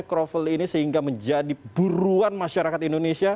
apa sebenarnya krovel ini sehingga menjadi buruan masyarakat indonesia